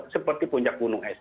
seperti puncak gunung es